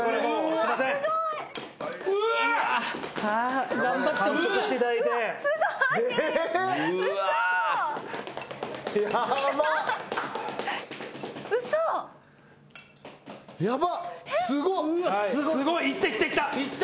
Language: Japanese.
すごいいったいったいった。